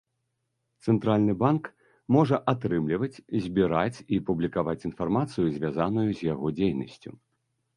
Цэнтральны банк можа атрымліваць, збіраць і публікаваць інфармацыю, звязаную з яго дзейнасцю.